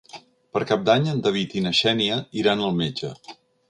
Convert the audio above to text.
Per Cap d'Any en David i na Xènia iran al metge.